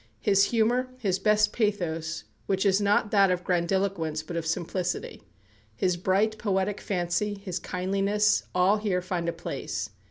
His humour, his best pathos, which is not that of grandiloquence, but of simplicity, his bright poetic fancy, his kindliness, all here find a place.